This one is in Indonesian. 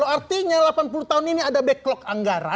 artinya delapan puluh tahun ini ada backlog anggaran